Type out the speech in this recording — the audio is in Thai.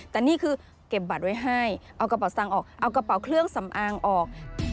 แต่นี่คือเก็บบัตรไว้ให้เอากระเป๋าสังออกเอากระเป๋าเครื่องสำอางออก